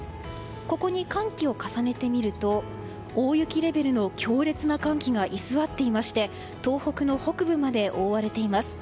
ここに寒気を重ねてみると大雪レベルの強烈な寒気が居座っていまして東北の北部まで覆われています。